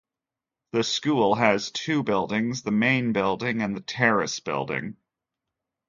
The school has two buildings, the Main Building and the Terrace Building.